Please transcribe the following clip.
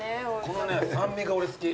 この酸味が俺好き。